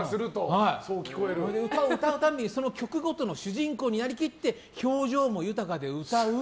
歌を歌うたびにその曲ごとの主人公になりきって表情も豊かで歌う。